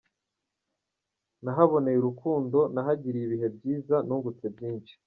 Nahaboneye urukundo, nahagiriye ibihe byiza, nungutse byinshi.